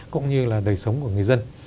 cũng như là đầy sống của người dân